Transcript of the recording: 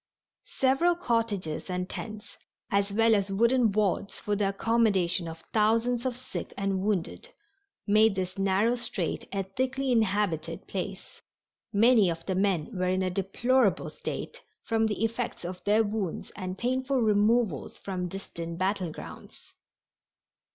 Several cottages and tents, as well as wooden wards for the accommodation of thousands of sick and wounded, made this narrow strait a thickly inhabited place. Many of the men were in a deplorable state from the effects of their wounds and painful removals from distant battle grounds.